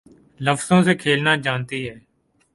لفظوں سے کھیلنا جانتی ہے